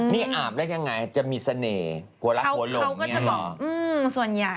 นี่อาฟอะไรยังไงจะมีเสน่ผัวรักหัวหลงนึง